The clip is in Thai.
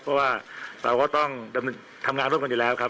เพราะว่าเราก็ต้องทำงานร่วมกันอยู่แล้วครับ